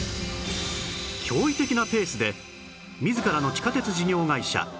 驚異的なペースで自らの地下鉄事業会社